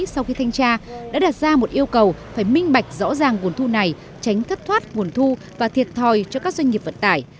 sau khi thanh tra đã đặt ra một yêu cầu phải minh bạch rõ ràng nguồn thu này tránh thất thoát nguồn thu và thiệt thòi cho các doanh nghiệp vận tải